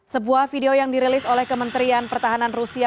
sebuah video yang dirilis oleh kementerian pertahanan rusia